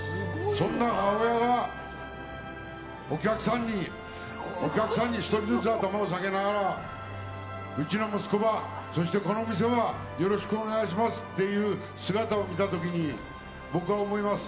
そんな母親がお客さんに１人ずつ頭を下げながらうちの息子ば、そしてこの店ばよろしくお願いしますっていう姿を見た時に僕は思います。